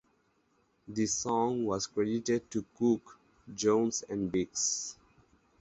The song was credited to Cook, Jones and Biggs.